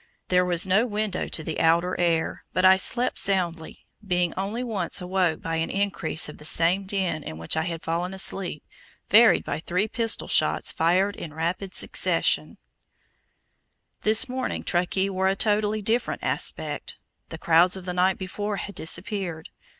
There was no window to the outer air, but I slept soundly, being only once awoke by an increase of the same din in which I had fallen asleep, varied by three pistol shots fired in rapid succession. Nelson's Guide to the Central Pacific Railroad. This morning Truckee wore a totally different aspect. The crowds of the night before had disappeared.